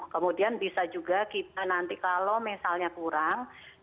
kemudian bisa juga kita nanti kalau misalnya kurang